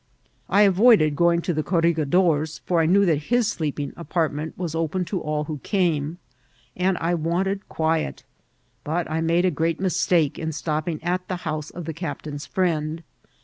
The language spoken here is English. I avoid ed going to the corregidor's, for I knew that his sleep ing apartment was open to all who came, and I wanted quiet ; but I made a great mistake in stopping at the house of the captain's friend.